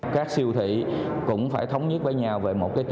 các siêu thị cũng phải thống nhất với nhau về một cái chiêu thị